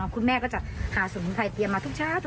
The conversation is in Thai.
คุณแม่ก็จะหาสมุนไพรเตรียมมาทุกเช้า